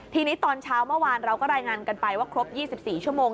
ทีนี้ตอนเช้าเมื่อวานเราก็รายงานกันไปว่าครบ๒๔ชั่วโมง